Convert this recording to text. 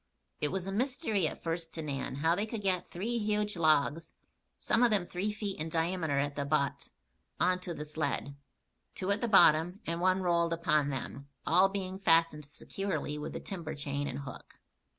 It was a mystery at first to Nan how they could get three huge logs, some of them three feet in diameter at the butt, on to the sled; two at the bottom and one rolled upon them, all being fastened securely with the timber chain and hook.